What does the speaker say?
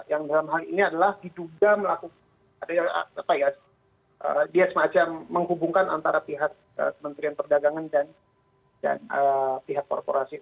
yang dalam hal ini adalah diduga melakukan dia semacam menghubungkan antara pihak kementerian perdagangan dan pihak korporasi